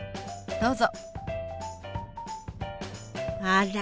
どうぞ。